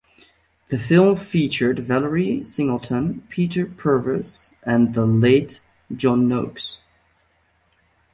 The film featured Valerie Singleton, Peter Purves and the late John Noakes.